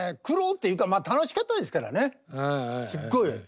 苦労っていうかまあ楽しかったですからねすっごい。